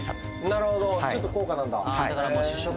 なるほどちょっと高価なんだへえー